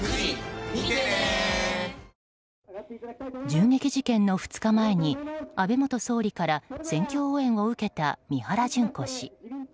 銃撃事件の２日前に安倍元総理から選挙応援を受けた三原じゅん子氏。